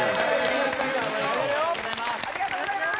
ありがとうございます。